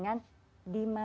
yang pertama itu adalah